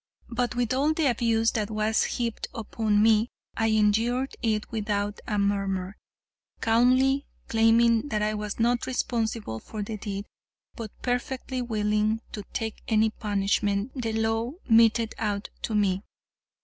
But with all the abuse that was heaped upon me, I endured it without a murmur, calmly claiming that I was not responsible for the deed, but perfectly willing to take any punishment the law meted out to me.